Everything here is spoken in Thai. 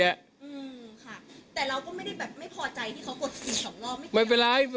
แต่เราก็ไม่ได้แบบไม่พอใจที่เขากดสิกหรอก